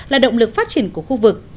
là động lực phát triển của khu vực